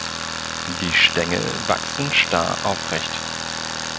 Die Stängel wachsen starr aufrecht.